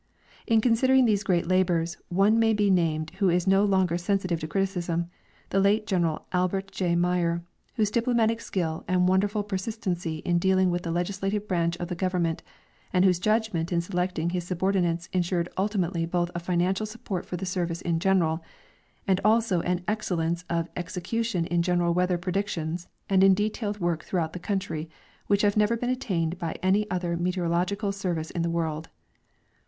In considering these great labors, one may be named who is no longer sensitive to criticism, the late General Albert J. Myer, whose diplomatic skill and wonderful persistency in dealing with the legislative branch of the government and Avhose judgment in selecting his subordinates ensured ultimatel}" Ijoth a financial support for the service in general, and also an excellence of exe cution in general weather predictions and in detailed work throughout the country which have never lieen attained by any other meteorological ser^dce in the world.